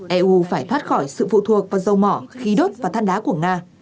eu phải thoát khỏi sự phụ thuộc vào dầu mỏ khí đốt và than đá của nga